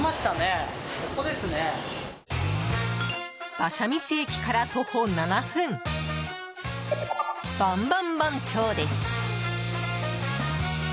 馬車道駅から徒歩７分バンバン番長です。